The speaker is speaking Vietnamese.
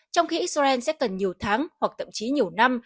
trong khi israel sẽ cần nhiều tháng hoặc tậm chí nhiều năm